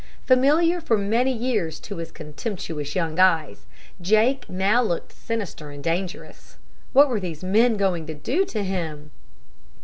Familiar for many years to his contemptuous young eyes, Jake now looked sinister and dangerous. What were these men going to do to him?